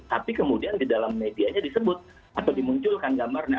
tapi kemudian di dalam medianya disebut atau dimunculkan gambarnya